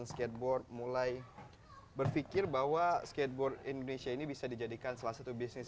skateboard mulai berpikir bahwa skateboard indonesia ini bisa dijadikan salah satu bisnis